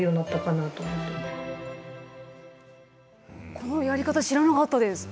このやり方知らなかったです。